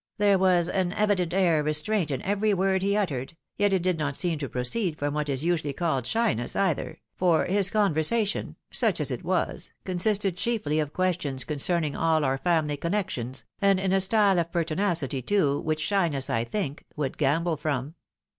There was an evident air of restraint in every word he uttered, yet it did not seem to proceed from what is usually called shyness either, for his conversation, such as it was, consisted chiefly of questions concerning all our family connections, and in a style of pertinacity too, which shy ness, I think, ' would gambol from.'